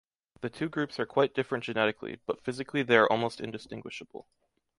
The two groups are quite different genetically, but physically they are almost indistinguishable.